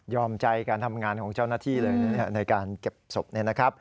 ใจการทำงานของเจ้าหน้าที่เลยในการเก็บศพเนี่ยนะครับ